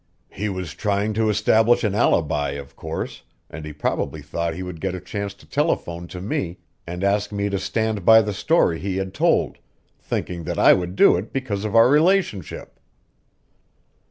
He was trying to establish an alibi, of course, and he probably thought he would get a chance to telephone to me and ask me to stand by the story he had told, thinking that I would do it because of our relationship."